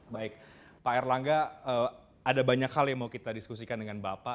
baik pak erlangga ada banyak hal yang mau kita diskusikan dengan bapak